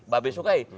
mbak be sukai